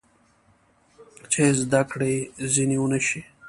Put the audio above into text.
چې هېڅ زده کړه ځینې ونه شي.